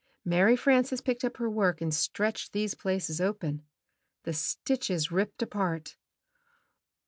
Mary Frances picked up her work and stretched these places open. The stitches ripped apart.